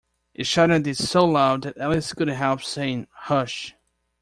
He shouted this so loud that Alice couldn’t help saying, ‘Hush!’